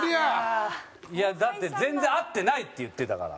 いやだって全然会ってないって言ってたから。